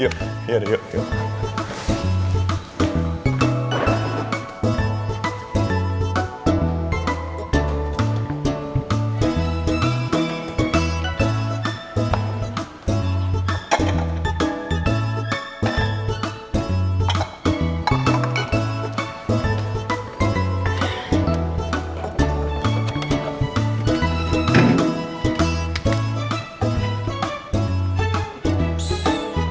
ya iya itu tuh disitu tuh